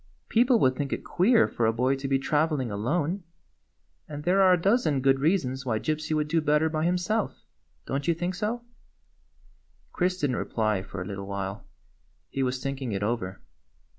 Peo ple would think it queer for a boy to be travel ing alone; and there are a dozen good reasons why Gypsy would do better by himself. Don't you think so?" Chris did n't reply for a little while. He was thinking it over.